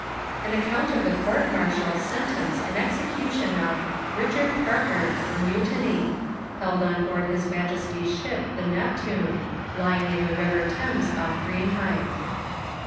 AN ACCOUNT OF THE COURT MARTIAL, SENTENCE, AND EXECUTION OF RICHARD PARKER FOR MUTINY, Held on board His Majesty's ship the NEPTUNE, lying in the river Thames, off Greenhithe.